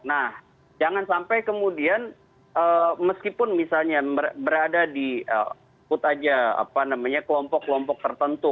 nah jangan sampai kemudian meskipun misalnya berada di put aja apa namanya kelompok kelompok tertentu